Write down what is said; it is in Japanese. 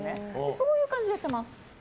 そういう感じでやってます。